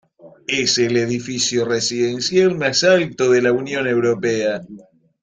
Es el edificio residencial más alto de la Unión Europea.